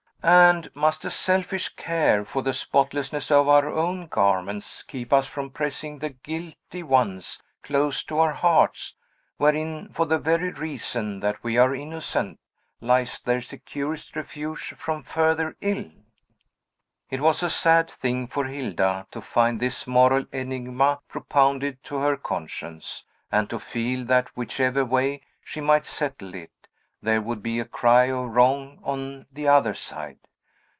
And must a selfish care for the spotlessness of our own garments keep us from pressing the guilty ones close to our hearts, wherein, for the very reason that we are innocent, lies their securest refuge from further ill? It was a sad thing for Hilda to find this moral enigma propounded to her conscience; and to feel that, whichever way she might settle it, there would be a cry of wrong on the other side.